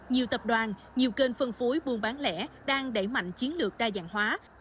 nhiều tập đoàn nhiều kênh phân phối buôn bán lẻ đang đẩy mạnh chiến lược đa dạng hóa